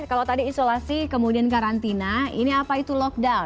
kalau tadi isolasi kemudian karantina ini apa itu lockdown